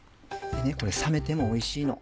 でねこれ冷めてもおいしいの。